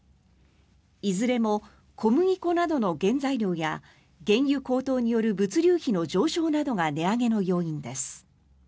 いずれも小麦粉などの原材料や原油高騰による物流費の上昇などが値上げの要因です。